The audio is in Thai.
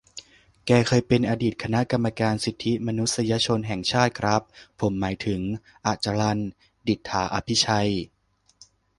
แกเคยเป็นอดีตคณะกรรมการสิทธิมนุษยชนแห่งชาติ ครับผมหมายถึง อจรัล ดิษฐาอภิชัย